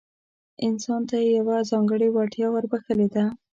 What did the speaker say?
انسان ته يې يوه ځانګړې وړتيا وربښلې ده.